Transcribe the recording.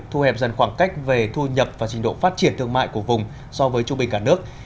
thu hẹp dần khoảng cách về thu nhập và trình độ phát triển thương mại của vùng so với trung bình cả nước